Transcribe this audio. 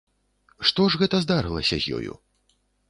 Што ж гэта здарылася з ёю?